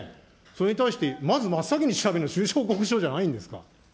それに対して、まず真っ先に調べるの、収支報告書じゃないんですか。